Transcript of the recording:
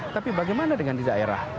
tapi bagaimana dengan di daerah